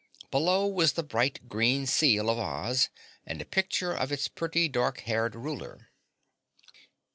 Below was the bright green seal of Oz and a picture of its pretty dark haired ruler.